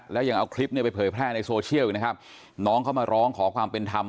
แล้วยังเอาคลิปเนี่ยไปเผยแพร่ในโซเชียลอีกนะครับน้องเขามาร้องขอความเป็นธรรม